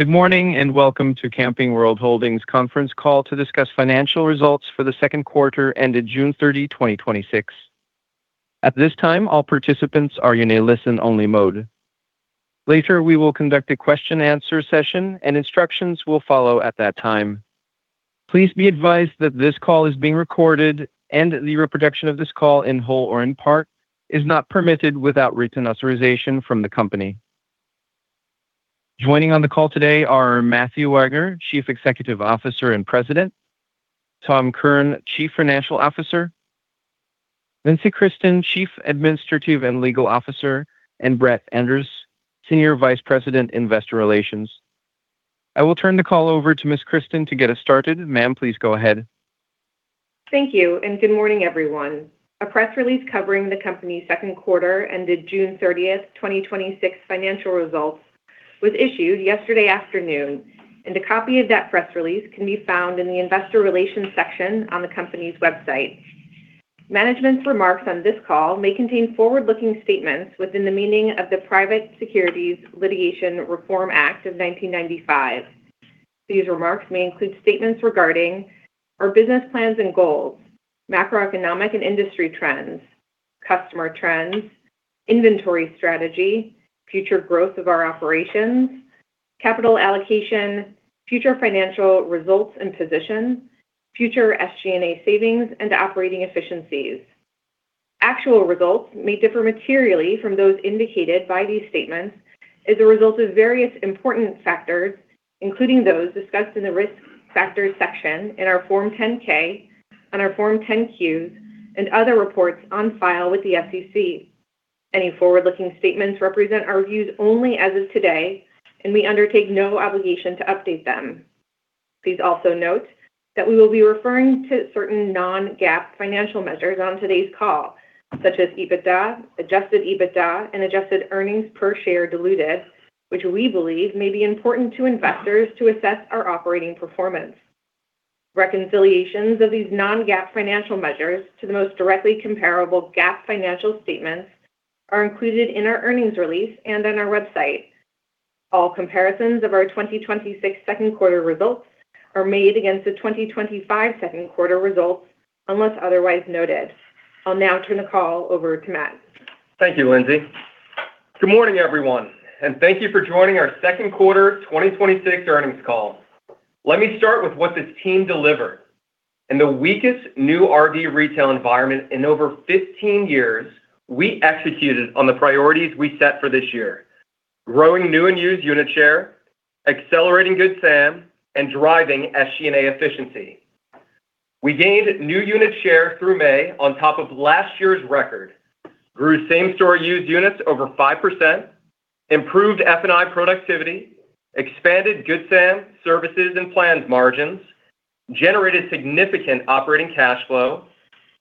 Good morning, and welcome to Camping World Holdings' conference call to discuss financial results for the second quarter ended June 30, 2026. At this time, all participants are in a listen-only mode. Later, we will conduct a question-and-answer session, and instructions will follow at that time. Please be advised that this call is being recorded, and the reproduction of this call, in whole or in part, is not permitted without written authorization from the company. Joining on the call today are Matthew Wagner, Chief Executive Officer and President, Tom Kirn, Chief Financial Officer, Lindsey Christen, Chief Administrative and Legal Officer, and Brett Andress, Senior Vice President, Investor Relations. I will turn the call over to Ms. Christen to get us started. Ma'am, please go ahead. Thank you, good morning, everyone. A press release covering the company's second quarter ended June 30th, 2026, financial results was issued yesterday afternoon, and a copy of that press release can be found in the investor relations section on the company's website. Management's remarks on this call may contain forward-looking statements within the meaning of the Private Securities Litigation Reform Act of 1995. These remarks may include statements regarding our business plans and goals, macroeconomic and industry trends, customer trends, inventory strategy, future growth of our operations, capital allocation, future financial results and position, future SG&A savings, and operating efficiencies. Actual results may differ materially from those indicated by these statements as a result of various important factors, including those discussed in the risk factors section in our Form 10-K, on our Form 10-Q, and other reports on file with the SEC. Any forward-looking statements represent our views only as of today, and we undertake no obligation to update them. Please also note that we will be referring to certain non-GAAP financial measures on today's call, such as EBITDA, adjusted EBITDA, and adjusted earnings per share diluted, which we believe may be important to investors to assess our operating performance. Reconciliations of these non-GAAP financial measures to the most directly comparable GAAP financial statements are included in our earnings release and on our website. All comparisons of our 2026 second quarter results are made against the 2025 second quarter results, unless otherwise noted. I'll now turn the call over to Matt. Thank you, Lindsey. Good morning, everyone, and thank you for joining our second quarter 2026 earnings call. Let me start with what this team delivered. In the weakest new RV retail environment in over 15 years, we executed on the priorities we set for this year, growing new and used unit share, accelerating Good Sam, and driving SG&A efficiency. We gained new unit share through May on top of last year's record, grew same-store used units over 5%, improved F&I productivity, expanded Good Sam Services and Plans margins, generated significant operating cash flow,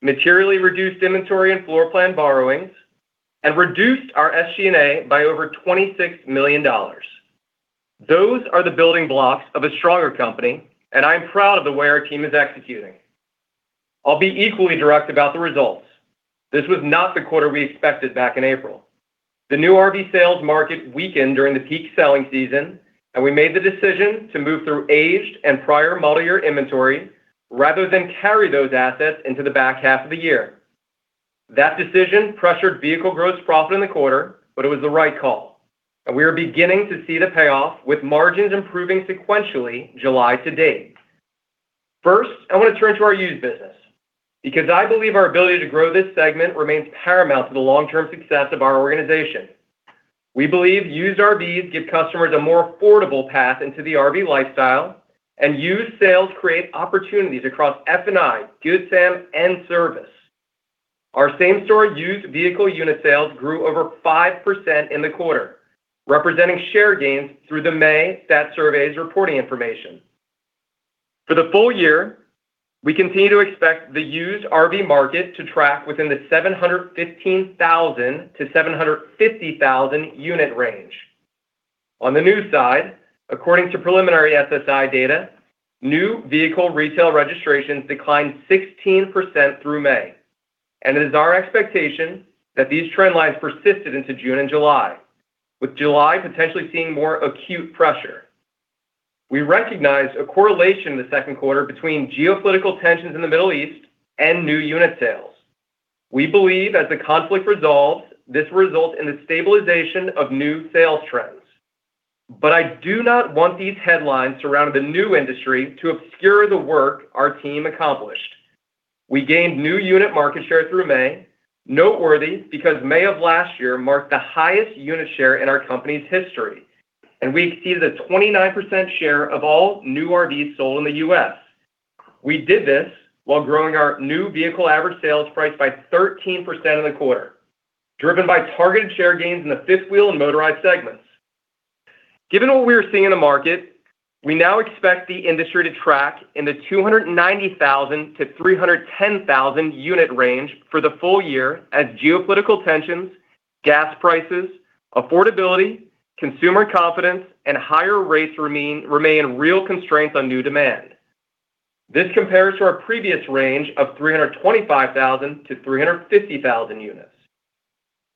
materially reduced inventory and floorplan borrowings, and reduced our SG&A by over $26 million. Those are the building blocks of a stronger company, and I am proud of the way our team is executing. I'll be equally direct about the results. This was not the quarter we expected back in April. The new RV sales market weakened during the peak selling season, and we made the decision to move through aged and prior model year inventory rather than carry those assets into the back half of the year. That decision pressured vehicle gross profit in the quarter, but it was the right call, and we are beginning to see the payoff, with margins improving sequentially July to date. First, I want to turn to our used business because I believe our ability to grow this segment remains paramount to the long-term success of our organization. We believe used RVs give customers a more affordable path into the RV lifestyle and used sales create opportunities across F&I, Good Sam, and service. Our same-store used vehicle unit sales grew over 5% in the quarter, representing share gains through the May stat surveys reporting information. For the full-year, we continue to expect the used RV market to track within the 715,000 to 750,000 unit range. On the new side, according to preliminary SSI data, new vehicle retail registrations declined 16% through May. It is our expectation that these trend lines persisted into June and July, with July potentially seeing more acute pressure. We recognized a correlation in the second quarter between geopolitical tensions in the Middle East and new unit sales. We believe as the conflict resolves, this will result in the stabilization of new sales trends. I do not want these headlines around the new industry to obscure the work our team accomplished. We gained new unit market share through May, noteworthy because May of last year marked the highest unit share in our company's history, and we exceeded a 29% share of all new RVs sold in the U.S. We did this while growing our new vehicle average sales price by 13% in the quarter, driven by targeted share gains in the fifth wheel and motorized segments. Given what we are seeing in the market, we now expect the industry to track in the 290,000 to 310,000 unit range for the full-year as geopolitical tensions, gas prices, affordability, consumer confidence, and higher rates remain real constraints on new demand. This compares to our previous range of 325,000 to 350,000 units.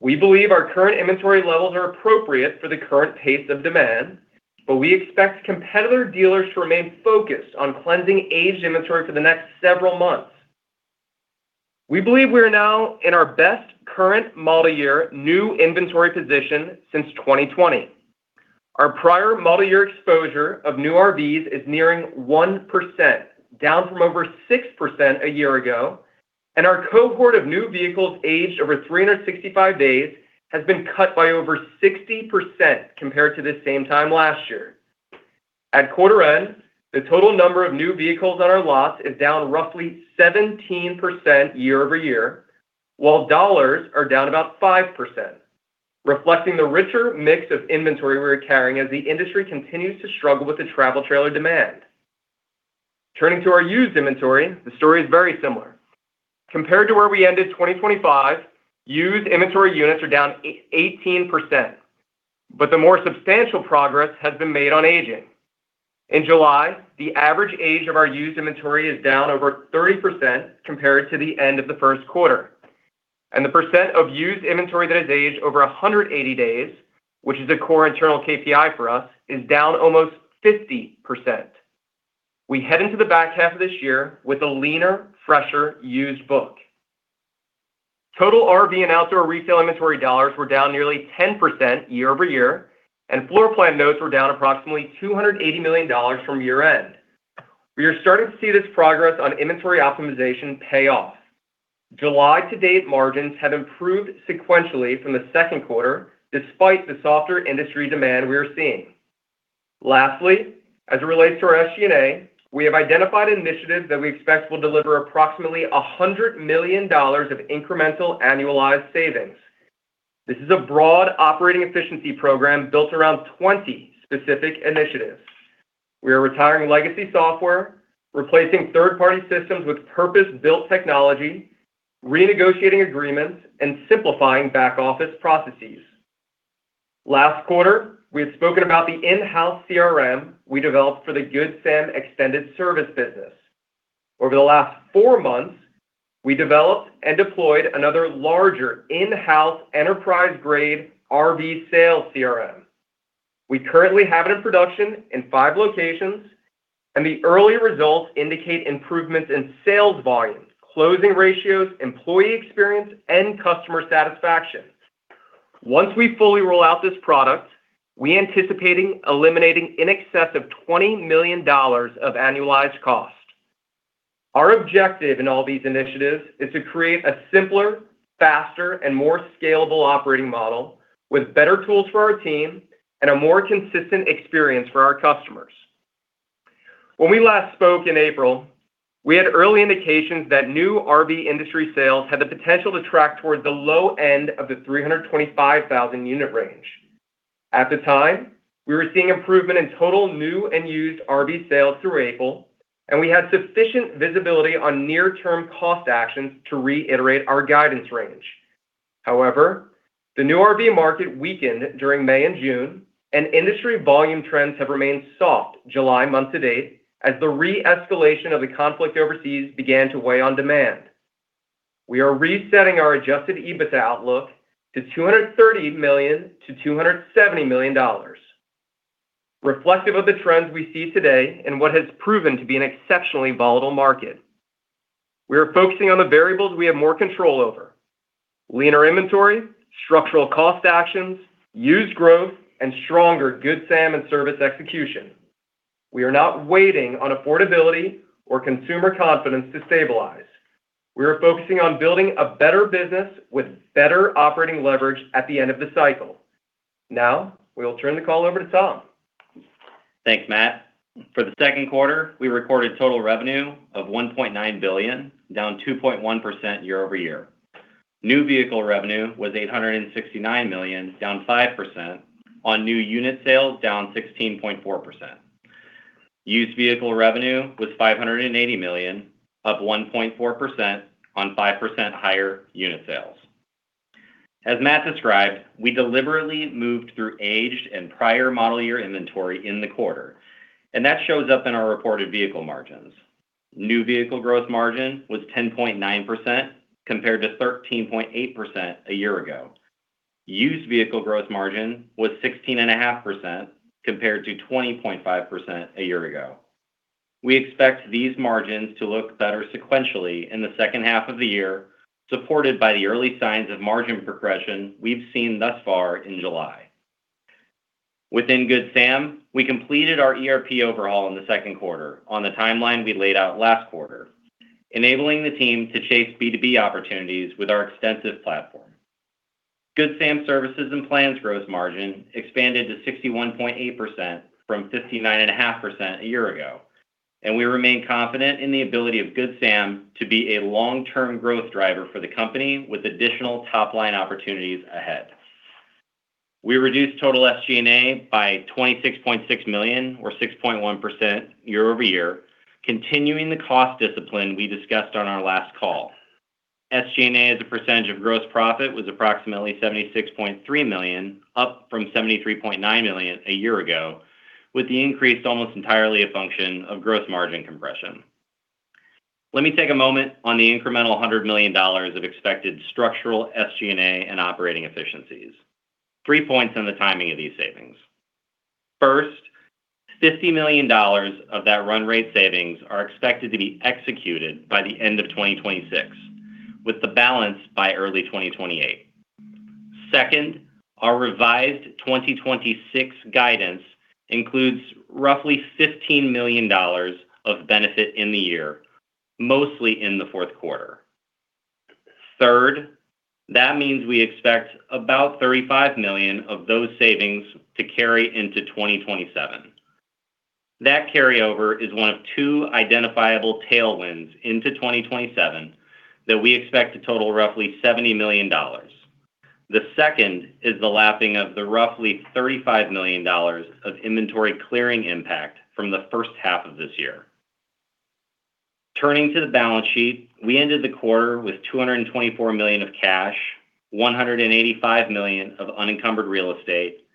We believe our current inventory levels are appropriate for the current pace of demand, but we expect competitor dealers to remain focused on cleansing aged inventory for the next several months. We believe we are now in our best current model year new inventory position since 2020. Our prior model year exposure of new RVs is nearing 1%, down from over 6% a year ago, and our cohort of new vehicles aged over 365 days has been cut by over 60% compared to this same time last year. At quarter end, the total number of new vehicles on our lot is down roughly 17% year-over-year, while dollars are down about 5%, reflecting the richer mix of inventory we are carrying as the industry continues to struggle with the travel trailer demand. Turning to our used inventory, the story is very similar. Compared to where we ended 2025, used inventory units are down 18%, but the more substantial progress has been made on aging. In July, the average age of our used inventory is down over 30% compared to the end of the first quarter. The percent of used inventory that has aged over 180 days, which is a core internal KPI for us, is down almost 50%. We head into the back half of this year with a leaner, fresher used book. Total RV and outdoor retail inventory dollars were down nearly 10% year-over-year, and floor plan notes were down approximately $280 million from year-end. We are starting to see this progress on inventory optimization pay off. July to date margins have improved sequentially from the second quarter, despite the softer industry demand we are seeing. Lastly, as it relates to our SG&A, we have identified initiatives that we expect will deliver approximately $100 million of incremental annualized savings. This is a broad operating efficiency program built around 20 specific initiatives. We are retiring legacy software, replacing third-party systems with purpose-built technology, renegotiating agreements, and simplifying back-office processes. Last quarter, we had spoken about the in-house CRM we developed for the Good Sam extended service business. Over the last four months, we developed and deployed another larger in-house enterprise-grade RV sales CRM. We currently have it in production in five locations, and the early results indicate improvements in sales volumes, closing ratios, employee experience, and customer satisfaction. Once we fully roll out this product, we're anticipating eliminating in excess of $20 million of annualized cost. Our objective in all these initiatives is to create a simpler, faster and more scalable operating model with better tools for our team and a more consistent experience for our customers. When we last spoke in April, we had early indications that new RV industry sales had the potential to track towards the low end of the 325,000 unit range. At the time, we were seeing improvement in total new and used RV sales through April, and we had sufficient visibility on near-term cost actions to reiterate our guidance range. However, the new RV market weakened during May and June, and industry volume trends have remained soft July month-to-date as the re-escalation of the conflict overseas began to weigh on demand. We are resetting our adjusted EBITDA outlook to $230 million-$270 million, reflective of the trends we see today in what has proven to be an exceptionally volatile market. We are focusing on the variables we have more control over: leaner inventory, structural cost actions, used growth, and stronger Good Sam and service execution. We are not waiting on affordability or consumer confidence to stabilize. We are focusing on building a better business with better operating leverage at the end of the cycle. We will turn the call over to Tom. Thanks, Matt. For the second quarter, we recorded total revenue of $1.9 billion, down 2.1% year-over-year. New vehicle revenue was $869 million, down 5%, on new unit sales down 16.4%. Used vehicle revenue was $580 million, up 1.4% on 5% higher unit sales. As Matt described, we deliberately moved through aged and prior model year inventory in the quarter, and that shows up in our reported vehicle margins. New vehicle gross margin was 10.9% compared to 13.8% a year ago. Used vehicle gross margin was 16.5% compared to 20.5% a year ago. We expect these margins to look better sequentially in the second half of the year, supported by the early signs of margin progression we've seen thus far in July. Within Good Sam, we completed our ERP overhaul in the second quarter on the timeline we laid out last quarter, enabling the team to chase B2B opportunities with our extensive platform. Good Sam Services and Plans gross margin expanded to 61.8% from 59.5% a year ago, and we remain confident in the ability of Good Sam to be a long-term growth driver for the company with additional top-line opportunities ahead. We reduced total SG&A by $26.6 million or 6.1% year-over-year, continuing the cost discipline we discussed on our last call. SG&A as a percentage of gross profit was approximately $76.3 million, up from $73.9 million a year ago, with the increase almost entirely a function of gross margin compression. Let me take a moment on the incremental $100 million of expected structural SG&A and operating efficiencies. Three points on the timing of these savings. First, $50 million of that run rate savings are expected to be executed by the end of 2026, with the balance by early 2028. Second, our revised 2026 guidance includes roughly $15 million of benefit in the year, mostly in the fourth quarter. Third, that means we expect about $35 million of those savings to carry into 2027. That carryover is one of two identifiable tailwinds into 2027 that we expect to total roughly $70 million. The second is the lapping of the roughly $35 million of inventory clearing impact from the first half of this year. Turning to the balance sheet, we ended the quarter with $224 million of cash, $185 million of unencumbered real estate,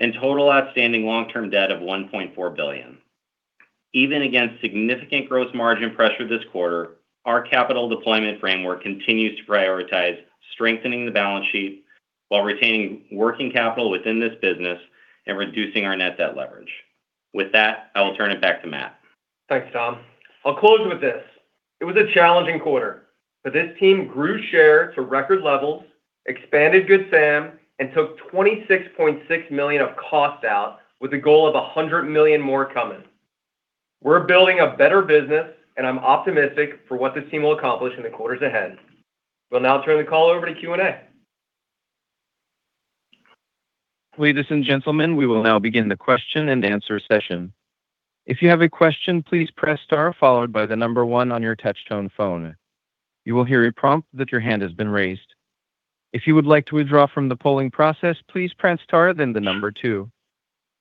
and total outstanding long-term debt of $1.4 billion. Even against significant gross margin pressure this quarter, our capital deployment framework continues to prioritize strengthening the balance sheet while retaining working capital within this business and reducing our net debt leverage. With that, I will turn it back to Matt. Thanks, Tom. I'll close with this. It was a challenging quarter, but this team grew share to record levels, expanded Good Sam, and took $26.6 million of costs out, with the goal of $100 million more coming. We're building a better business, and I'm optimistic for what this team will accomplish in the quarters ahead. We'll now turn the call over to Q&A. Ladies and gentlemen, we will now begin the question and answer session. If you have a question, please press star followed by one on your touch tone phone. You will hear a prompt that your hand has been raised. If you would like to withdraw from the polling process, please press star, then two.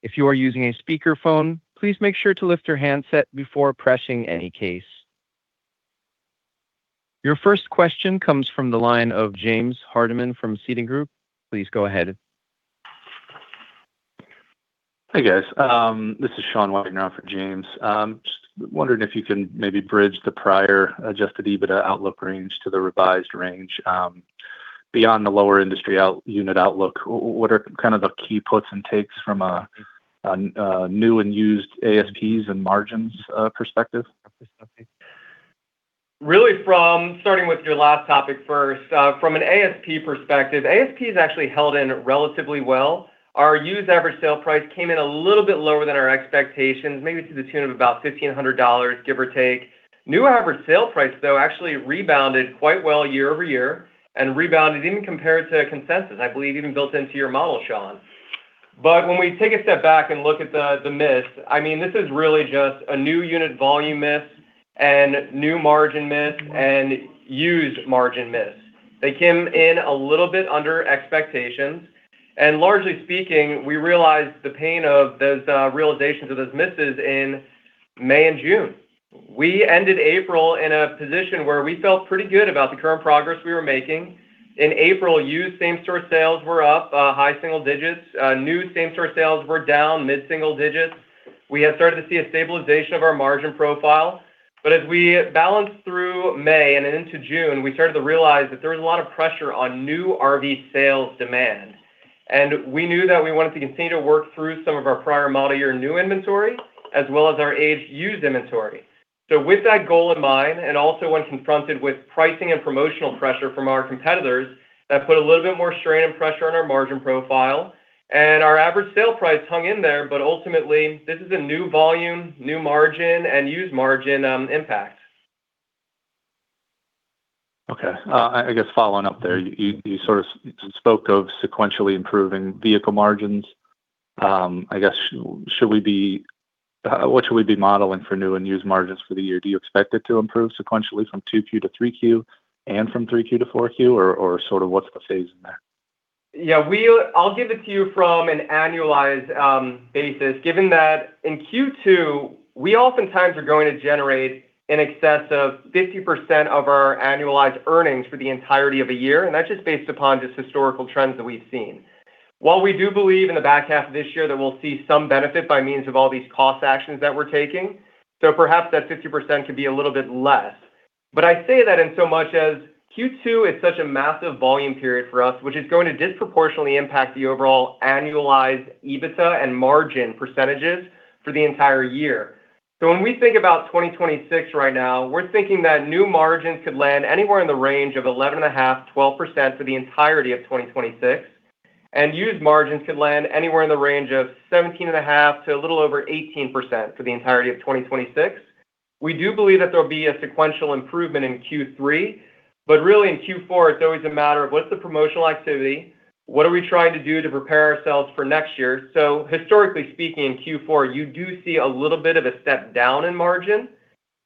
If you are using a speakerphone, please make sure to lift your handset before pressing any case. Your first question comes from the line of James Hardiman from Citi. Please go ahead. Hi, guys. This is Sean Wagner in for James. Just wondering if you can maybe bridge the prior adjusted EBITDA outlook range to the revised range. Beyond the lower industry unit outlook, what are kind of the key puts and takes from a new and used ASPs and margins perspective? Starting with your last topic first, from an ASP perspective, ASPs actually held in relatively well. Our used average sale price came in a little bit lower than our expectations, maybe to the tune of about $1,500, give or take. New average sale price, though, actually rebounded quite well year-over-year and rebounded even compared to consensus, I believe even built into your model, Sean. When we take a step back and look at the miss, this is really just a new unit volume miss and new margin miss and used margin miss. They came in a little bit under expectations, and largely speaking, we realized the pain of those realizations of those misses in May and June. We ended April in a position where we felt pretty good about the current progress we were making. In April, used same-store sales were up high single digits. New same-store sales were down mid-single digits. We had started to see a stabilization of our margin profile. As we balanced through May and into June, we started to realize that there was a lot of pressure on new RV sales demand. We knew that we wanted to continue to work through some of our prior model year new inventory, as well as our aged used inventory. With that goal in mind, and also when confronted with pricing and promotional pressure from our competitors, that put a little bit more strain and pressure on our margin profile. Our average sale price hung in there, but ultimately, this is a new volume, new margin, and used margin impact. Okay. I guess following up there, you sort of spoke of sequentially improving vehicle margins. What should we be modeling for new and used margins for the year? Do you expect it to improve sequentially from 2Q to 3Q and from 3Q to 4Q, or sort of what's the phase in that? Yeah. I'll give it to you from an annualized basis, given that in Q2, we oftentimes are going to generate in excess of 50% of our annualized earnings for the entirety of a year, and that's just based upon historical trends that we've seen. We do believe in the back half of this year that we'll see some benefit by means of all these cost actions that we're taking. Perhaps that 50% could be a little bit less. I say that in so much as Q2 is such a massive volume period for us, which is going to disproportionately impact the overall annualized EBITDA and margin % for the entire year. When we think about 2026 right now, we're thinking that new margins could land anywhere in the range of 11.5%-12% for the entirety of 2026, and used margins could land anywhere in the range of 17.5% to a little over 18% for the entirety of 2026. We do believe that there'll be a sequential improvement in Q3, but really in Q4, it's always a matter of what's the promotional activity? What are we trying to do to prepare ourselves for next year? Historically speaking, in Q4, you do see a little bit of a step down in margin.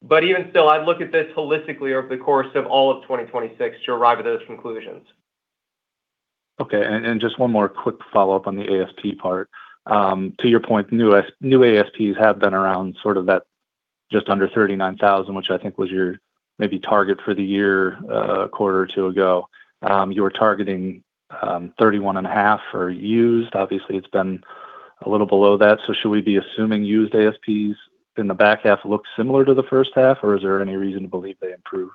Even still, I'd look at this holistically over the course of all of 2026 to arrive at those conclusions. Okay. Just one more quick follow-up on the ASP part. To your point, new ASPs have been around sort of that just under $39,000, which I think was your maybe target for the year a quarter or two ago. You were targeting $31,500 for used. Obviously, it's been a little below that. Should we be assuming used ASPs in the back half look similar to the first half, or is there any reason to believe they improve?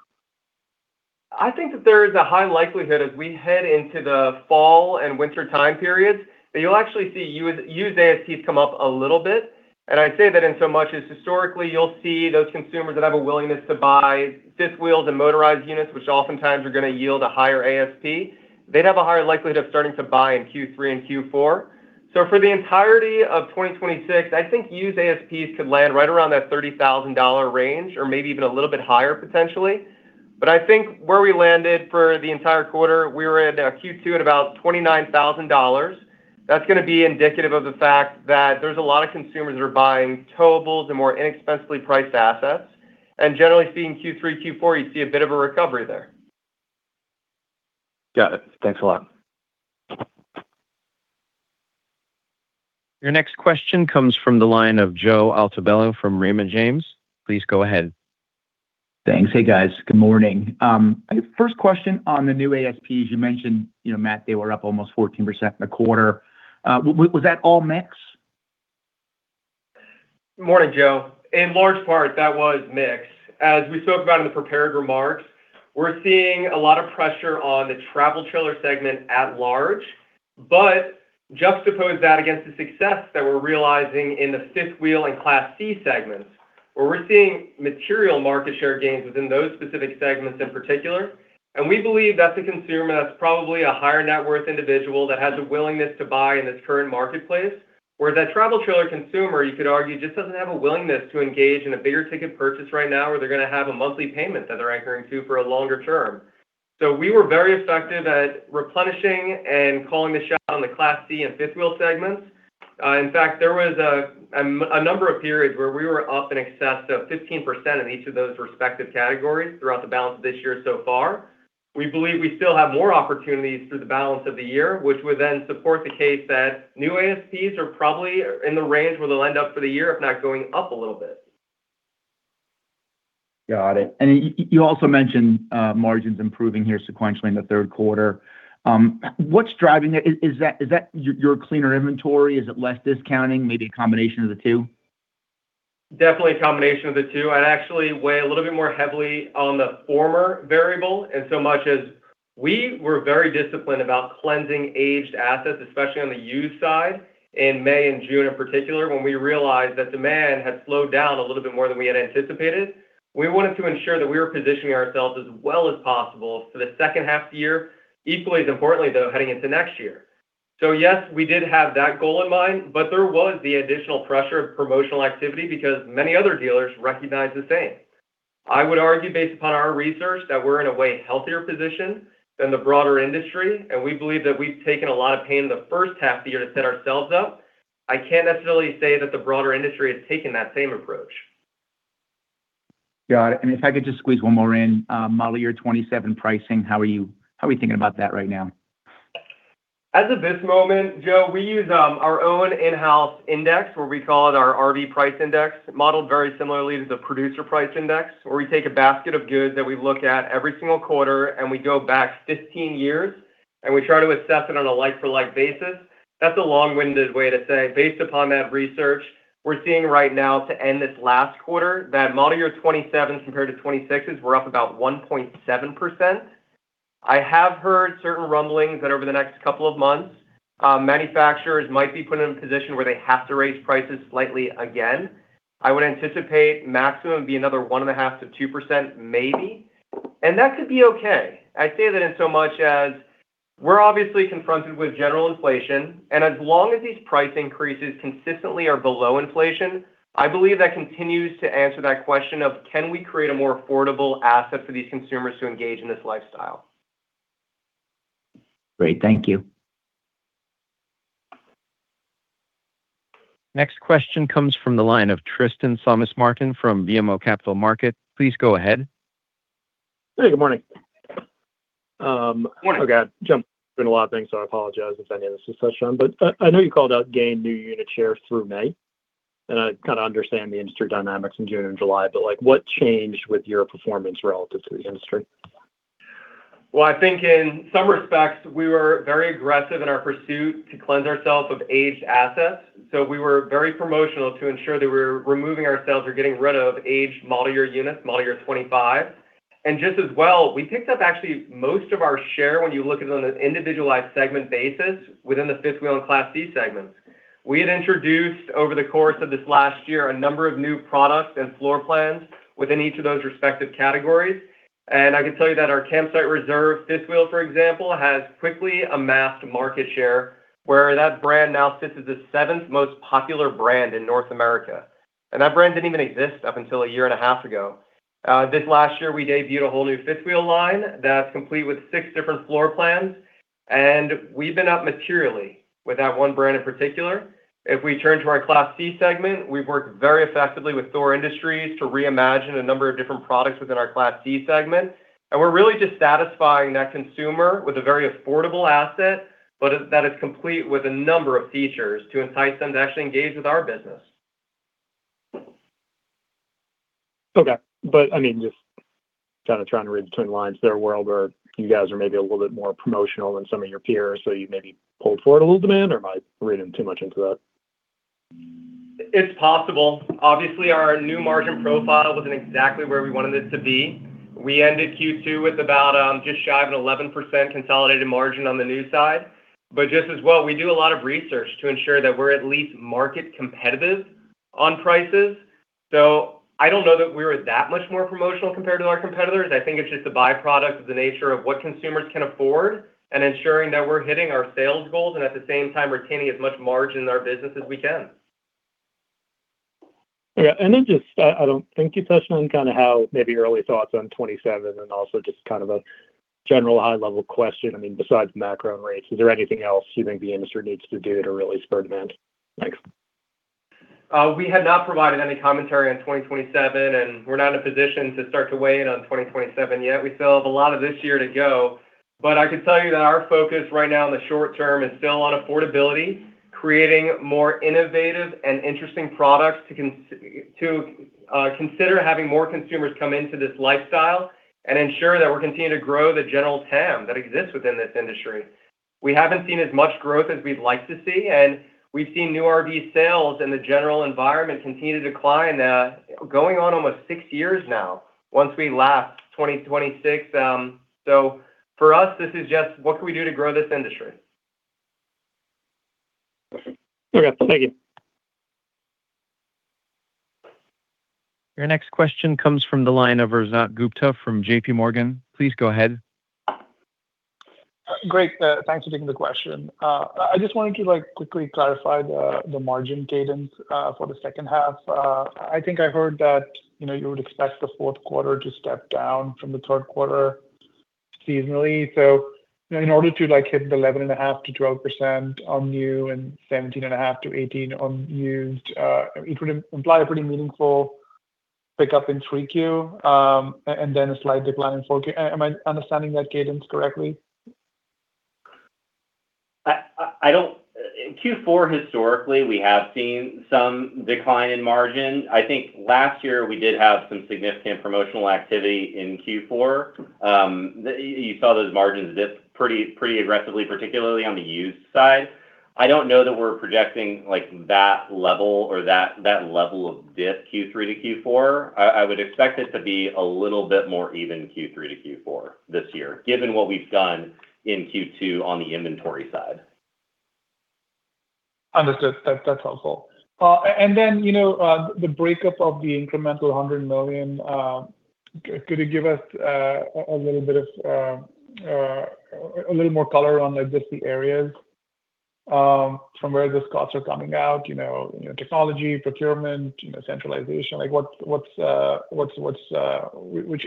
I think that there is a high likelihood as we head into the fall and winter time periods, that you'll actually see used ASPs come up a little bit. I say that in so much as historically, you'll see those consumers that have a willingness to buy fifth wheel to motorized units, which oftentimes are going to yield a higher ASP. They'd have a higher likelihood of starting to buy in Q3 and Q4. For the entirety of 2026, I think used ASPs could land right around that $30,000 range or maybe even a little bit higher, potentially. I think where we landed for the entire quarter, we were at Q2 at about $29,000. That's going to be indicative of the fact that there's a lot of consumers that are buying towables and more inexpensively priced assets. Generally, seeing Q3, Q4, you see a bit of a recovery there. Got it. Thanks a lot. Your next question comes from the line of Joe Altobello from Raymond James. Please go ahead. Thanks. Hey, guys. Good morning. First question on the new ASPs. You mentioned, Matt, they were up almost 14% in the quarter. Was that all mix? Morning, Joe. In large part, that was mix. As we spoke about in the prepared remarks, we're seeing a lot of pressure on the travel trailer segment at large, but juxtapose that against the success that we're realizing in the fifth wheel and Class C segments, where we're seeing material market share gains within those specific segments in particular. We believe that's a consumer that's probably a higher net worth individual that has a willingness to buy in this current marketplace. Whereas that travel trailer consumer, you could argue, just doesn't have a willingness to engage in a bigger ticket purchase right now where they're going to have a monthly payment that they're anchoring to for a longer term. We were very effective at replenishing and calling the shot on the Class C and fifth wheel segments. In fact, there was a number of periods where we were up in excess of 15% in each of those respective categories throughout the balance of this year so far. We believe we still have more opportunities through the balance of the year, which would then support the case that new ASPs are probably in the range where they'll end up for the year, if not going up a little bit. Got it. You also mentioned margins improving here sequentially in the third quarter. What's driving it? Is that your cleaner inventory? Is it less discounting, maybe a combination of the two? Definitely a combination of the two. I'd actually weigh a little bit more heavily on the former variable, in so much as we were very disciplined about cleansing aged assets, especially on the used side in May and June, in particular, when we realized that demand had slowed down a little bit more than we had anticipated. We wanted to ensure that we were positioning ourselves as well as possible for the second half of the year. Equally as importantly, though, heading into next year. Yes, we did have that goal in mind, but there was the additional pressure of promotional activity because many other dealers recognized the same. I would argue, based upon our research, that we're, in a way, healthier positioned than the broader industry, and we believe that we've taken a lot of pain in the first half of the year to set ourselves up. I can't necessarily say that the broader industry has taken that same approach. Got it. If I could just squeeze one more in. Model year 2027 pricing, how are you thinking about that right now? As of this moment, Joe, we use our own in-house index where we call it our RV Price Index, modeled very similarly to the Producer Price Index, where we take a basket of goods that we look at every single quarter and we go back 15 years, and we try to assess it on a like-for-like basis. That's a long-winded way to say, based upon that research, we're seeing right now to end this last quarter, that model year 2027s compared to 2026s were up about 1.7%. I have heard certain rumblings that over the next couple of months, manufacturers might be put in a position where they have to raise prices slightly again. I would anticipate maximum would be another 1.5%-2%, maybe. That could be okay. I say that in so much as we're obviously confronted with general inflation, as long as these price increases consistently are below inflation, I believe that continues to answer that question of, can we create a more affordable asset for these consumers to engage in this lifestyle? Great. Thank you. Next question comes from the line of Tristan Thomas-Martin from BMO Capital Markets. Please go ahead. Hey, good morning. Morning. Oh, God. Jumped into a lot of things, so I apologize if any of this is touched on. I know you called out gain new unit share through May. I kind of understand the industry dynamics in June and July, what changed with your performance relative to the industry? Well, I think in some respects, we were very aggressive in our pursuit to cleanse ourselves of aged assets. We were very promotional to ensure that we were removing ourselves or getting rid of aged model year units, model year 2025. Just as well, we picked up actually most of our share when you look at it on an individualized segment basis within the fifth wheel and Class C segments. We had introduced, over the course of this last year, a number of new products and floor plans within each of those respective categories. I can tell you that our Campsite Reserve fifth wheel, for example, has quickly amassed market share, where that brand now sits as the seventh most popular brand in North America. That brand didn't even exist up until a year and a half ago. This last year, we debuted a whole new fifth wheel line that's complete with six different floor plans. We've been up materially with that one brand in particular. If we turn to our Class C segment, we've worked very effectively with Thor Industries to reimagine a number of different products within our Class C segment. We're really just satisfying that consumer with a very affordable asset, that is complete with a number of features to entice them to actually engage with our business. Okay. Just trying to read between the lines, is there a world where you guys are maybe a little bit more promotional than some of your peers, so you maybe pulled forward a little demand, or am I reading too much into that? It's possible. Obviously, our new margin profile wasn't exactly where we wanted it to be. We ended Q2 with about just shy of an 11% consolidated margin on the new side. Just as well, we do a lot of research to ensure that we're at least market competitive on prices. I don't know that we were that much more promotional compared to our competitors. I think it's just a byproduct of the nature of what consumers can afford and ensuring that we're hitting our sales goals and at the same time retaining as much margin in our business as we can. Yeah. Then just, I don't think you touched on how, maybe your early thoughts on 2027 and also just a general high-level question. Besides macro and rates, is there anything else you think the industry needs to do to really spur demand? Thanks. We have not provided any commentary on 2027, and we're not in a position to start to weigh in on 2027 yet. We still have a lot of this year to go. I could tell you that our focus right now in the short term is still on affordability, creating more innovative and interesting products to consider having more consumers come into this lifestyle and ensure that we're continuing to grow the general TAM that exists within this industry. We haven't seen as much growth as we'd like to see, and we've seen new RV sales and the general environment continue to decline, going on almost six years now, once we last, 2026. For us, this is just, what can we do to grow this industry? Okay. Thank you. Your next question comes from the line of Arjun Gupta from JPMorgan. Please go ahead. Great. Thanks for taking the question. I just wanted to quickly clarify the margin cadence for the second half. I think I heard that you would expect the fourth quarter to step down from the third quarter seasonally. In order to hit the 11.5%-12% on new and 17.5%-18% on used, it would imply a pretty meaningful pickup in 3Q and then a slight decline in 4Q. Am I understanding that cadence correctly? Q4, historically, we have seen some decline in margin. I think last year we did have some significant promotional activity in Q4. You saw those margins dip pretty aggressively, particularly on the used side. I don't know that we're projecting that level or that level of dip Q3 to Q4. I would expect it to be a little bit more even Q3 to Q4 this year, given what we've done in Q2 on the inventory side. Understood. That's helpful. The breakup of the incremental $100 million, could you give us a little more color on just the areas from where those costs are coming out? Technology, procurement, centralization. Which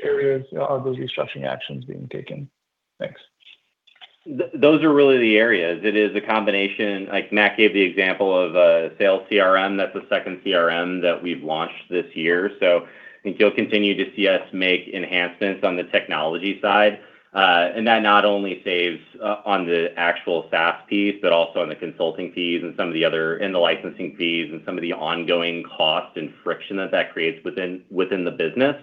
areas are those restructuring actions being taken? Thanks. Those are really the areas. It is a combination. Matt gave the example of a sales CRM. That's the second CRM that we've launched this year. I think you'll continue to see us make enhancements on the technology side. That not only saves on the actual SaaS piece, but also on the consulting fees and the licensing fees and some of the ongoing cost and friction that that creates within the business.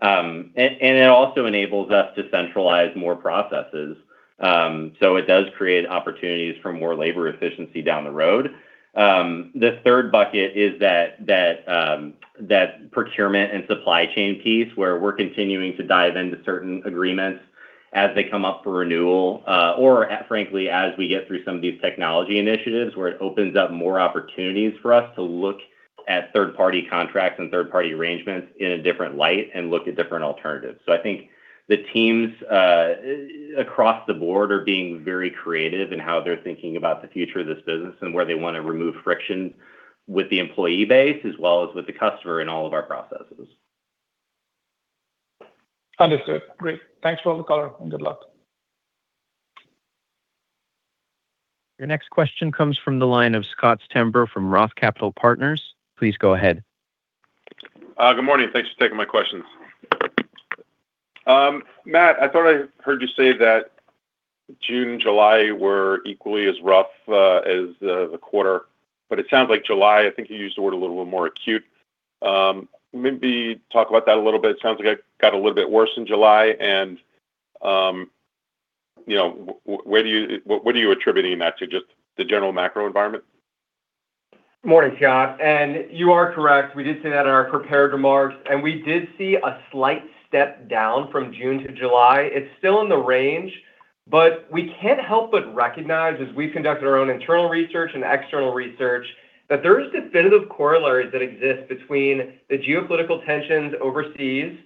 It also enables us to centralize more processes. It does create opportunities for more labor efficiency down the road. The third bucket is that procurement and supply chain piece, where we're continuing to dive into certain agreements as they come up for renewal. Frankly, as we get through some of these technology initiatives, where it opens up more opportunities for us to look at third-party contracts and third-party arrangements in a different light and look at different alternatives. I think the teams across the board are being very creative in how they're thinking about the future of this business and where they want to remove friction with the employee base as well as with the customer in all of our processes. Understood. Great. Thanks for all the color and good luck. Your next question comes from the line of Scott Stember from Roth Capital Partners. Please go ahead. Good morning. Thanks for taking my questions. Matt, I thought I heard you say that June, July were equally as rough as the quarter, it sounds like July, I think you used the word a little more acute. Maybe talk about that a little bit. It sounds like it got a little bit worse in July, and what are you attributing that to? Just the general macro environment? Morning, Scott, you are correct. We did say that in our prepared remarks, we did see a slight step down from June to July. It's still in the range, we can't help but recognize, as we've conducted our own internal research and external research, that there is definitive correlates that exist between the geopolitical tensions overseas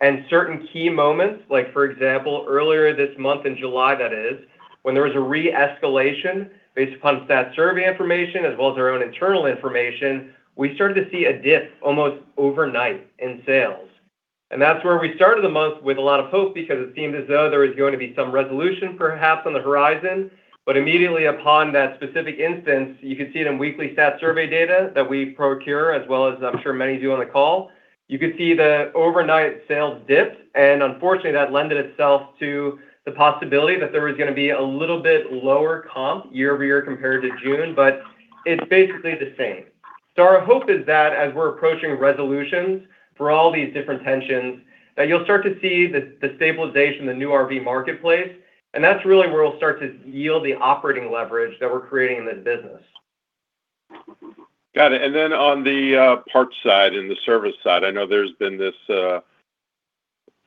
and certain key moments. Like for example, earlier this month, in July that is, when there was a re-escalation based upon stat survey information as well as our own internal information, we started to see a dip almost overnight in sales. That's where we started the month with a lot of hope because it seemed as though there was going to be some resolution perhaps on the horizon. Immediately upon that specific instance, you could see it in weekly stat survey data that we procure, as well as I'm sure many do on the call. You could see the overnight sales dip, unfortunately, that lent itself to the possibility that there was going to be a little bit lower comp year-over-year compared to June. It's basically the same. Our hope is that as we're approaching resolutions for all these different tensions, that you'll start to see the stabilization in the new RV marketplace, that's really where we'll start to yield the operating leverage that we're creating in this business. Got it. On the parts side and the service side, I know there's been this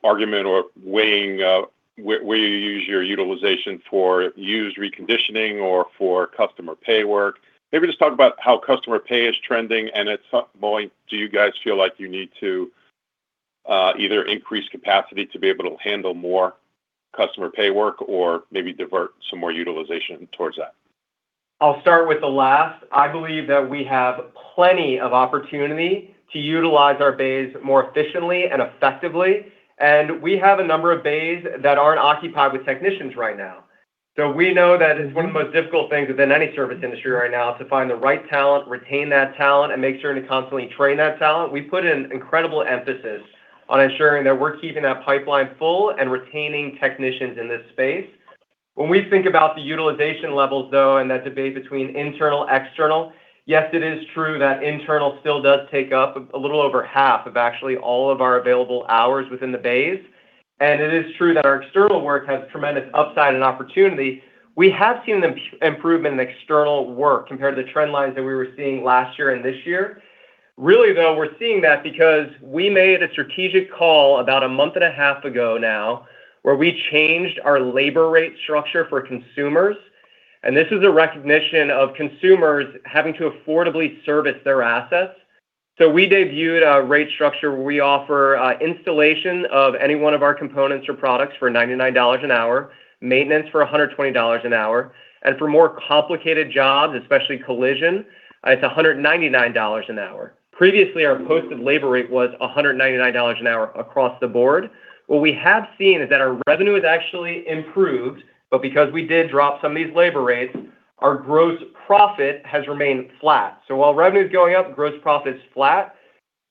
argument or weighing, where you use your utilization for used reconditioning or for customer pay work. Maybe just talk about how customer pay is trending and at some point, do you guys feel like you need to either increase capacity to be able to handle more customer pay work or maybe divert some more utilization towards that? I'll start with the last. I believe that we have plenty of opportunity to utilize our bays more efficiently and effectively, and we have a number of bays that aren't occupied with technicians right now. We know that it's one of the most difficult things within any service industry right now to find the right talent, retain that talent and make certain to constantly train that talent. We put an incredible emphasis on ensuring that we're keeping that pipeline full and retaining technicians in this space. When we think about the utilization levels, though, and that debate between internal, external, yes, it is true that internal still does take up a little over half of actually all of our available hours within the bays. It is true that our external work has tremendous upside and opportunity. We have seen improvement in external work compared to the trend lines that we were seeing last year and this year. Really, though, we're seeing that because we made a strategic call about a month and a half ago now, where we changed our labor rate structure for consumers. This is a recognition of consumers having to affordably service their assets. We debuted a rate structure where we offer installation of any one of our components or products for $99 an hour, maintenance for $120 an hour, and for more complicated jobs, especially collision, it's $199 an hour. Previously, our posted labor rate was $199 an hour across the board. What we have seen is that our revenue has actually improved, but because we did drop some of these labor rates, our gross profit has remained flat. While revenue's going up, gross profit's flat.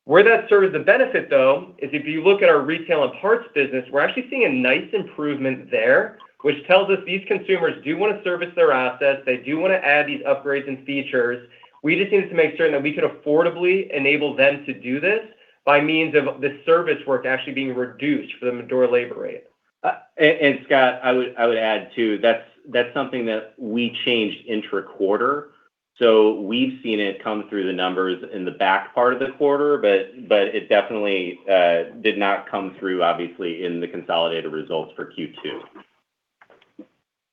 Where that serves the benefit, though, is if you look at our retail and parts business, we're actually seeing a nice improvement there, which tells us these consumers do want to service their assets. They do want to add these upgrades and features. We just needed to make certain that we could affordably enable them to do this by means of the service work actually being reduced for the mature labor rate. Scott, I would add, too, that's something that we changed intra-quarter. We've seen it come through the numbers in the back part of the quarter, but it definitely did not come through, obviously, in the consolidated results for Q2.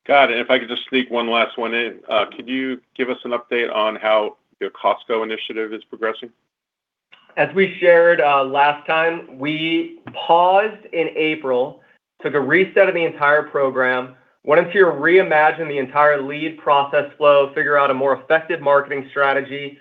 Got it. If I could just sneak one last one in. Could you give us an update on how your Costco initiative is progressing? As we shared last time, we paused in April, took a reset of the entire program, went into reimagine the entire lead process flow, figure out a more effective marketing strategy.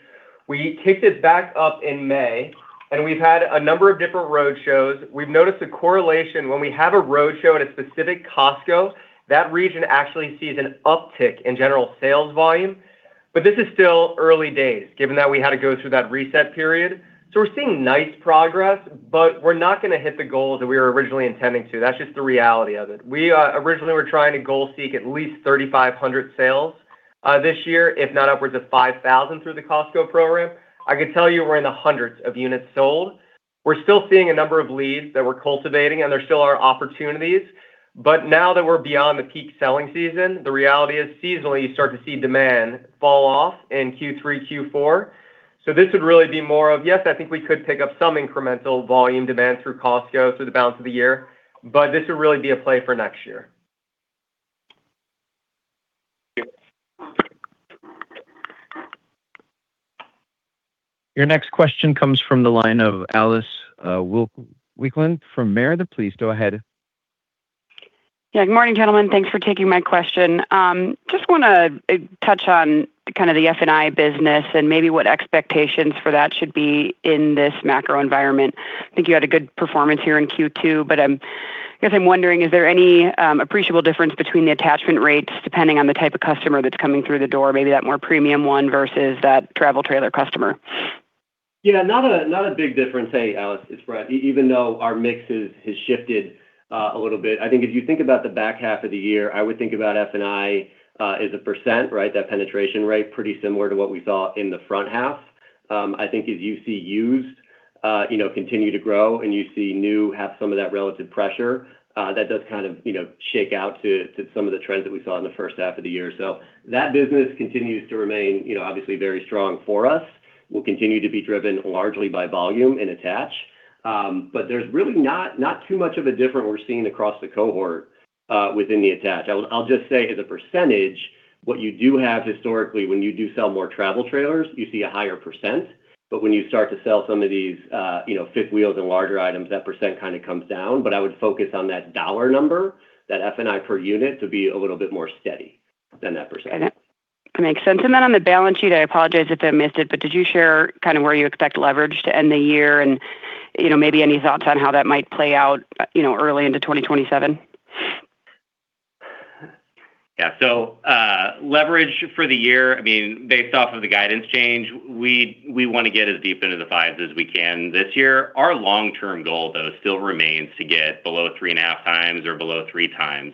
We kicked it back up in May, and we've had a number of different road shows. We've noticed a correlation when we have a road show at a specific Costco, that region actually sees an uptick in general sales volume. This is still early days, given that we had to go through that reset period. We're seeing nice progress, but we're not going to hit the goals that we were originally intending to. That's just the reality of it. We originally were trying to goal seek at least 3,500 sales this year, if not upwards of 5,000 through the Costco program. I could tell you we're in the hundreds of units sold. We're still seeing a number of leads that we're cultivating, and there still are opportunities. Now that we're beyond the peak selling season, the reality is seasonally you start to see demand fall off in Q3, Q4. This would really be more of, yes, I think we could pick up some incremental volume demand through Costco through the balance of the year, but this would really be a play for next year. Thanks. Your next question comes from the line of Alice Wycklendt from Baird. Please go ahead. Yeah. Good morning, gentlemen. Thanks for taking my question. Just want to touch on kind of the F&I business and maybe what expectations for that should be in this macro environment. I think you had a good performance here in Q2, but I guess I'm wondering, is there any appreciable difference between the attachment rates depending on the type of customer that's coming through the door, maybe that more premium one versus that travel trailer customer? Yeah, not a big difference there, Alice. It's Brett. Even though our mix has shifted a little bit. I think if you think about the back half of the year, I would think about F&I as a %, that penetration rate, pretty similar to what we saw in the front half. I think as you see used continue to grow and you see new have some of that relative pressure, that does kind of shake out to some of the trends that we saw in the first half of the year. That business continues to remain obviously very strong for us, will continue to be driven largely by volume and attach. There's really not too much of a difference we're seeing across the cohort, within the attach. I'll just say as a %, what you do have historically, when you do sell more travel trailers, you see a higher %. When you start to sell some of these fifth wheels and larger items, that % kind of comes down. I would focus on that dollar number, that F&I per unit to be a little bit more steady than that %. Okay. Makes sense. On the balance sheet, I apologize if I missed it, but did you share kind of where you expect leverage to end the year and maybe any thoughts on how that might play out early into 2027? Yeah. Leverage for the year, based off of the guidance change, we want to get as deep into the fives as we can this year. Our long-term goal, though, still remains to get below three and a half times or below three times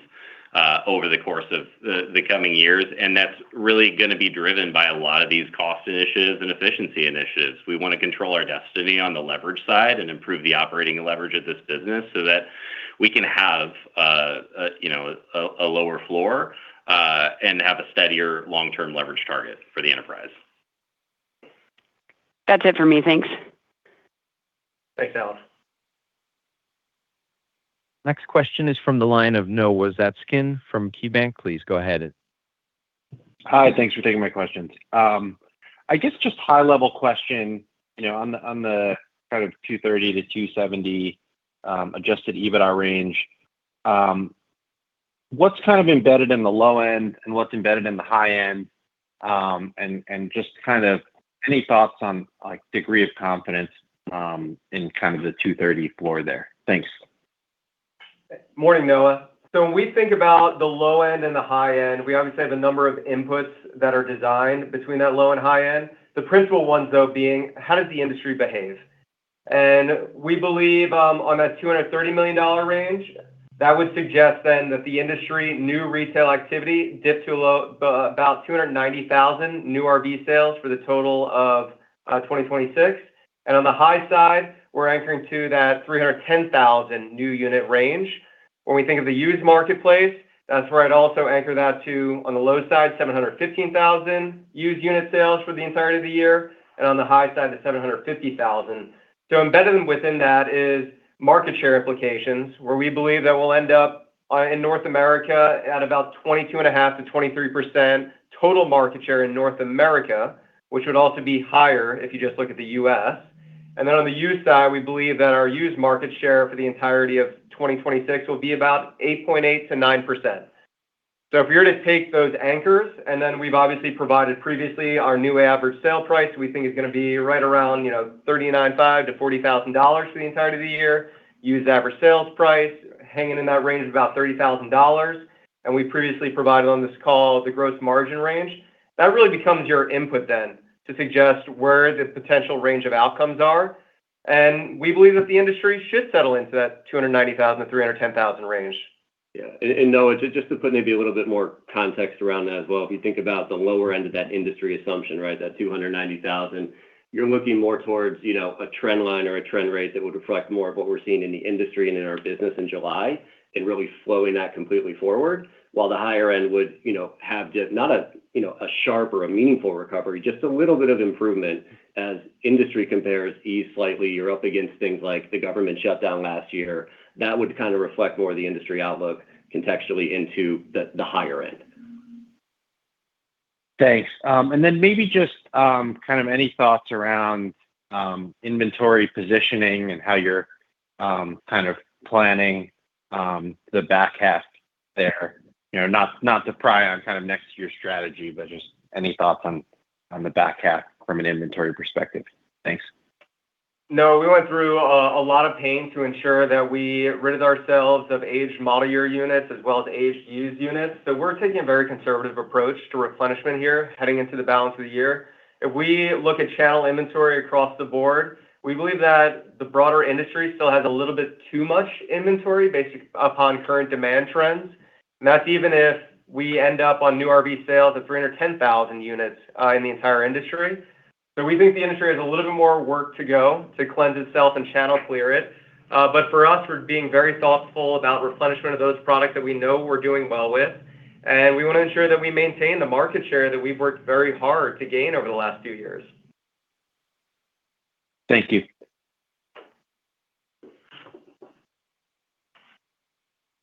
over the course of the coming years. That's really going to be driven by a lot of these cost initiatives and efficiency initiatives. We want to control our destiny on the leverage side and improve the operating leverage of this business so that we can have a lower floor, and have a steadier long-term leverage target for the enterprise. That's it for me. Thanks. Thanks, Alice. Next question is from the line of Noah Zatzkin from KeyBanc. Please go ahead. Hi, thanks for taking my questions. I guess just high level question, on the kind of $230 million-$270 million adjusted EBITDA range. What's embedded in the low end and what's embedded in the high end? Just any thoughts on degree of confidence in the $230 million floor there? Thanks. Morning, Noah. When we think about the low end and the high end, we obviously have a number of inputs that are designed between that low and high end. The principal ones though being, how does the industry behave? We believe, on that $230 million range, that would suggest that the industry new retail activity dip to about 290,000 new RV sales for the total of 2026. On the high side, we're anchoring to that 310,000 new unit range. When we think of the used marketplace, that's where I'd also anchor that to, on the low side, 715,000 used unit sales for the entirety of the year. On the high side, the 750,000. Embedded within that is market share implications, where we believe that we'll end up in North America at about 22.5%-23% total market share in North America, which would also be higher if you just look at the U.S. On the used side, we believe that our used market share for the entirety of 2026 will be about 8.8%-9%. If you were to take those anchors, we've obviously provided previously our new average sale price, we think is going to be right around, $39,500-$40,000 for the entirety of the year. Used average sales price hanging in that range of about $30,000. We previously provided on this call the gross margin range. That really becomes your input to suggest where the potential range of outcomes are. We believe that the industry should settle into that 290,000-310,000 range. Yeah. Noah, just to put maybe a little bit more context around that as well. If you think about the lower end of that industry assumption, right? That 290,000, you're looking more towards a trend line or a trend rate that would reflect more of what we're seeing in the industry and in our business in July, and really flowing that completely forward. While the higher end would have just, not a sharp or a meaningful recovery, just a little bit of improvement as industry compares ease slightly. You're up against things like the government shutdown last year. That would reflect more of the industry outlook contextually into the higher end. Thanks. Then maybe just any thoughts around inventory positioning and how you're planning the back half there. Not to pry on next year's strategy, but just any thoughts on the back half from an inventory perspective? Thanks. Noah, we went through a lot of pain to ensure that we rid ourselves of aged model year units as well as aged used units. We're taking a very conservative approach to replenishment here heading into the balance of the year. If we look at channel inventory across the board, we believe that the broader industry still has a little bit too much inventory based upon current demand trends. That's even if we end up on new RV sales of 310,000 units in the entire industry. We think the industry has a little bit more work to go to cleanse itself and channel clear it. For us, we're being very thoughtful about replenishment of those products that we know we're doing well with. We want to ensure that we maintain the market share that we've worked very hard to gain over the last few years. Thank you.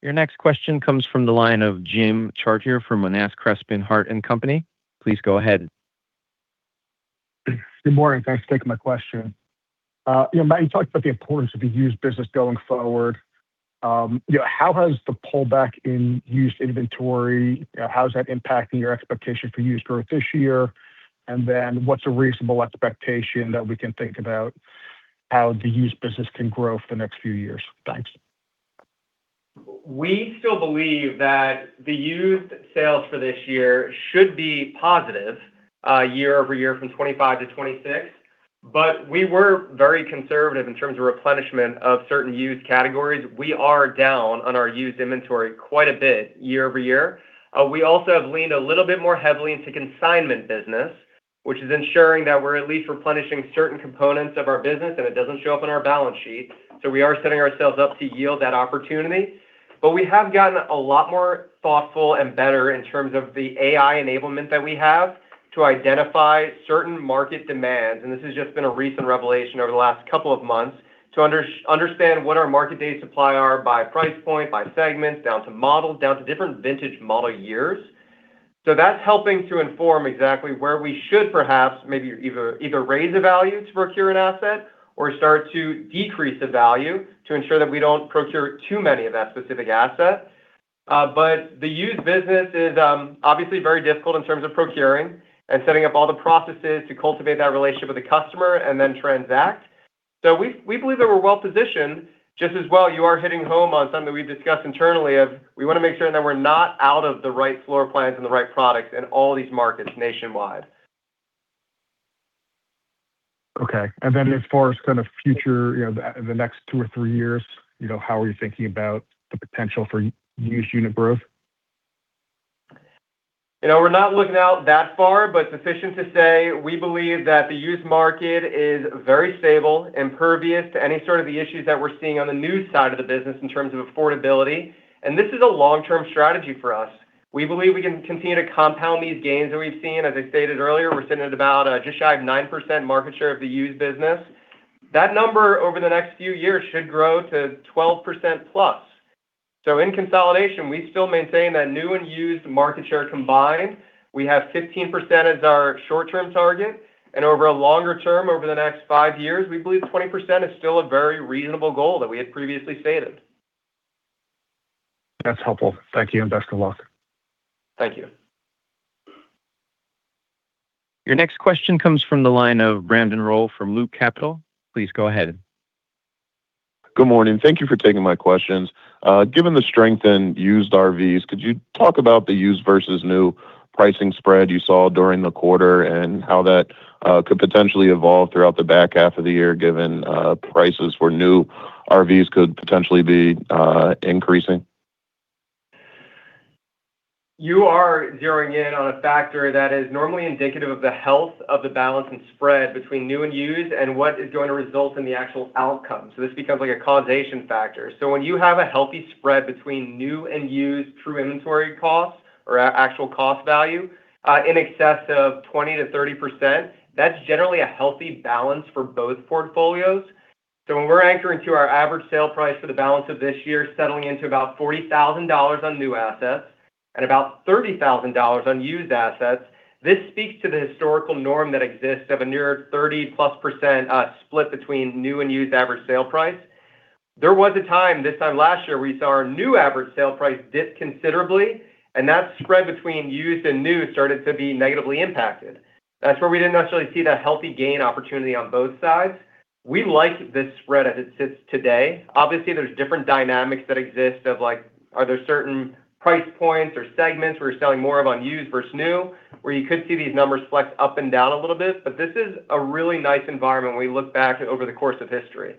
Your next question comes from the line of Jim Chartier from Monness, Crespi, Hardt & Co.. Please go ahead. Good morning. Thanks for taking my question. Matt, you talked about the importance of the used business going forward. How has the pullback in used inventory, how's that impacting your expectation for used growth this year? What's a reasonable expectation that we can think about how the used business can grow for the next few years? Thanks. We still believe that the used sales for this year should be positive year-over-year from 2025 to 2026. We were very conservative in terms of replenishment of certain used categories. We are down on our used inventory quite a bit year-over-year. We also have leaned a little bit more heavily into consignment business, which is ensuring that we're at least replenishing certain components of our business, and it doesn't show up on our balance sheet. We are setting ourselves up to yield that opportunity. We have gotten a lot more thoughtful and better in terms of the AI enablement that we have to identify certain market demands, and this has just been a recent revelation over the last couple of months, to understand what our market day supply are by price point, by segments, down to models, down to different vintage model years. That's helping to inform exactly where we should perhaps maybe either raise the value to procure an asset or start to decrease the value to ensure that we don't procure too many of that specific asset. The used business is obviously very difficult in terms of procuring and setting up all the processes to cultivate that relationship with the customer and then transact. We believe that we're well positioned. Just as well, you are hitting home on something we've discussed internally of, we want to make sure that we're not out of the right floor plans and the right products in all these markets nationwide. Okay. Then as far as future, the next two or three years, how are you thinking about the potential for used unit growth? We're not looking out that far, but sufficient to say, we believe that the used market is very stable, impervious to any of the issues that we're seeing on the new side of the business in terms of affordability. This is a long-term strategy for us. We believe we can continue to compound these gains that we've seen. As I stated earlier, we're sitting at about just shy of 9% market share of the used business. That number over the next few years should grow to 12% plus. In consolidation, we still maintain that new and used market share combined. We have 15% as our short-term target, and over a longer term, over the next five years, we believe 20% is still a very reasonable goal that we had previously stated. That's helpful. Thank you. Best of luck. Thank you. Your next question comes from the line of Brandon Rolle from Loop Capital. Please go ahead. Good morning. Thank you for taking my questions. Given the strength in used RVs, could you talk about the used versus new pricing spread you saw during the quarter, and how that could potentially evolve throughout the back half of the year, given prices for new RVs could potentially be increasing? You are zeroing in on a factor that is normally indicative of the health of the balance and spread between new and used and what is going to result in the actual outcome. This becomes like a causation factor. When you have a healthy spread between new and used true inventory costs or actual cost value in excess of 20%-30%, that's generally a healthy balance for both portfolios. When we're anchoring to our average sale price for the balance of this year, settling into about $40,000 on new assets and about $30,000 on used assets, this speaks to the historical norm that exists of a near 30+ % split between new and used average sale price. There was a time this time last year, we saw our new average sale price dip considerably, and that spread between used and new started to be negatively impacted. That's where we didn't necessarily see that healthy gain opportunity on both sides. We like this spread as it sits today. Obviously, there's different dynamics that exist of, are there certain price points or segments where you're selling more of on used versus new, where you could see these numbers flex up and down a little bit? This is a really nice environment when we look back over the course of history.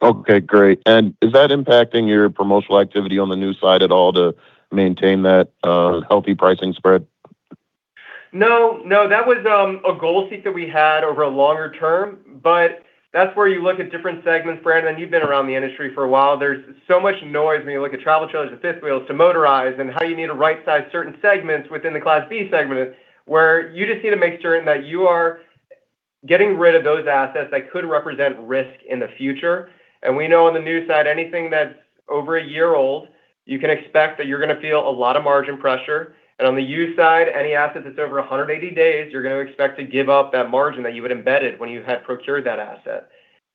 Okay, great. Is that impacting your promotional activity on the new side at all to maintain that healthy pricing spread? No, that was a goal seek that we had over a longer term, but that's where you look at different segments, Brandon Rolle. You've been around the industry for a while. There's so much noise when you look at travel trailers to fifth wheels to motorized and how you need to right size certain segments within the Class B segment, where you just need to make certain that you are getting rid of those assets that could represent risk in the future. We know on the new side, anything that's over 1 year old, you can expect that you're going to feel a lot of margin pressure. On the used side, any asset that's over 180 days, you're going to expect to give up that margin that you had embedded when you had procured that asset.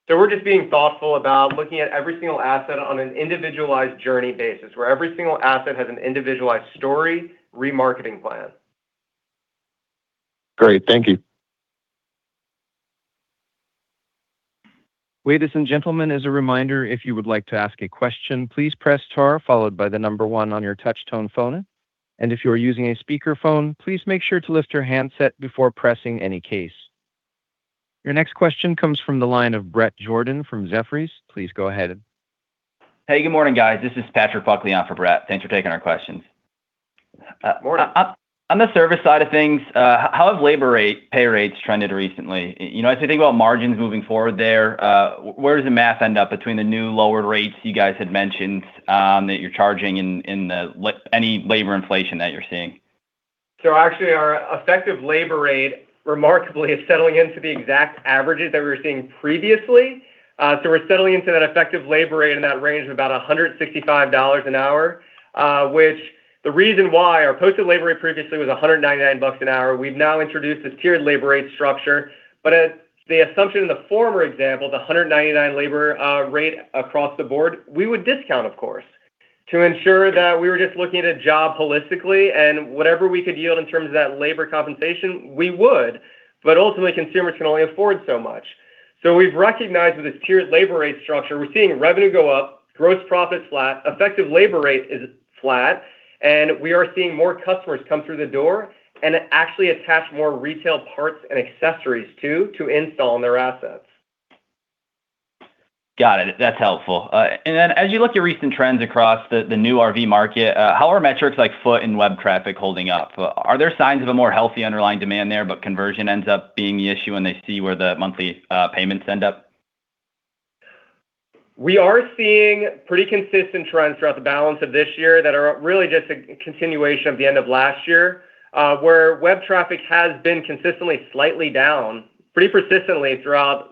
We're just being thoughtful about looking at every single asset on an individualized journey basis, where every single asset has an individualized story remarketing plan. Great. Thank you. Ladies and gentlemen, as a reminder, if you would like to ask a question, please press star followed by the number one on your touch-tone phone. If you are using a speakerphone, please make sure to lift your handset before pressing any case. Your next question comes from the line of Bret Jordan from Jefferies. Please go ahead. Hey, good morning, guys. This is Patrick Buckley on for Bret. Thanks for taking our questions. Morning. On the service side of things, how have labor pay rates trended recently? As we think about margins moving forward there, where does the math end up between the new lower rates you guys had mentioned that you're charging and any labor inflation that you're seeing? Actually, our effective labor rate, remarkably, is settling into the exact averages that we were seeing previously. We're settling into that effective labor rate in that range of about $165 an hour. Which the reason why our posted labor rate previously was $199 an hour. We've now introduced this tiered labor rate structure. The assumption in the former example, the $199 labor rate across the board, we would discount, of course, to ensure that we were just looking at a job holistically, and whatever we could yield in terms of that labor compensation, we would. Ultimately, consumers can only afford so much. We've recognized with this tiered labor rate structure, we're seeing revenue go up, gross profit flat, effective labor rate is flat, and we are seeing more customers come through the door and actually attach more retail parts and accessories, too, to install on their assets. Got it. That's helpful. As you look at recent trends across the new RV market, how are metrics like foot and web traffic holding up? Are there signs of a more healthy underlying demand there, but conversion ends up being the issue when they see where the monthly payments end up? We are seeing pretty consistent trends throughout the balance of this year that are really just a continuation of the end of last year, where web traffic has been consistently slightly down pretty persistently throughout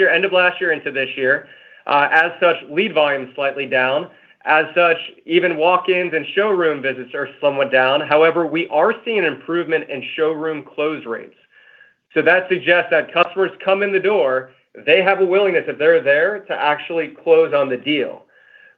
end of last year into this year. As such, lead volume is slightly down. As such, even walk-ins and showroom visits are somewhat down. However, we are seeing an improvement in showroom close rates. That suggests that customers come in the door, they have a willingness if they're there to actually close on the deal.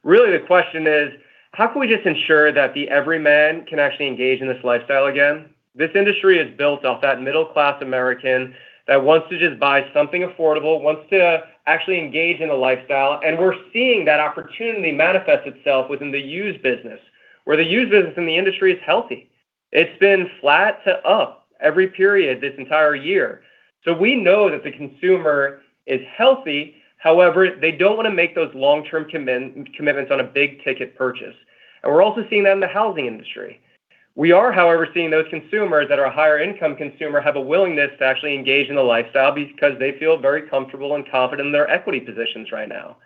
Really, the question is: How can we just ensure that the everyman can actually engage in this lifestyle again? This industry is built off that middle-class American that wants to just buy something affordable, wants to actually engage in a lifestyle, we're seeing that opportunity manifest itself within the used business, where the used business in the industry is healthy. It's been flat to up every period this entire year. We know that the consumer is healthy. However, they don't want to make those long-term commitments on a big-ticket purchase. We're also seeing that in the housing industry. We are, however, seeing those consumers that are higher income consumer have a willingness to actually engage in the lifestyle because they feel very comfortable and confident in their equity positions right now.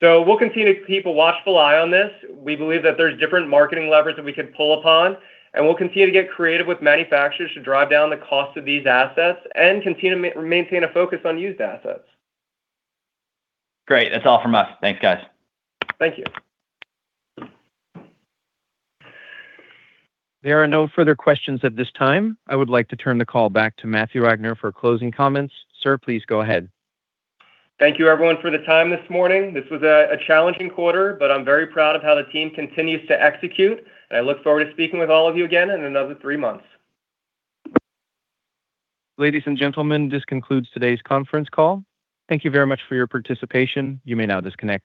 We'll continue to keep a watchful eye on this. We believe that there's different marketing levers that we could pull upon, and we'll continue to get creative with manufacturers to drive down the cost of these assets and continue to maintain a focus on used assets. Great. That's all from us. Thanks, guys. Thank you. There are no further questions at this time. I would like to turn the call back to Matthew Wagner for closing comments. Sir, please go ahead. Thank you, everyone, for the time this morning. This was a challenging quarter, but I'm very proud of how the team continues to execute, and I look forward to speaking with all of you again in another three months. Ladies and gentlemen, this concludes today's conference call. Thank you very much for your participation. You may now disconnect.